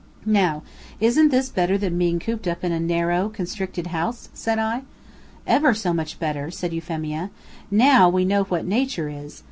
"Now isn't this better than being cooped up in a narrow, constricted house?" said I. "Ever so much better!" said Euphemia. "Now we know what Nature is.